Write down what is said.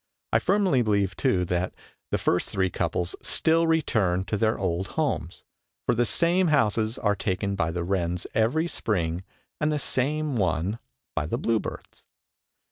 I firmly believe too, that the first three couples still return to their old homes, for the same houses are taken by the wrens every spring and the same one by the bluebirds.